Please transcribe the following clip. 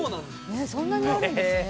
そんなにあるんですね。